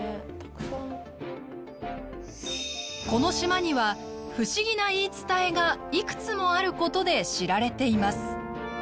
この島には不思議な言い伝えがいくつもあることで知られています。